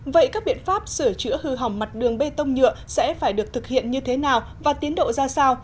vậy các biện pháp sửa chữa hư hỏng mặt đường bê tông nhựa sẽ phải được thực hiện như thế nào và tiến độ ra sao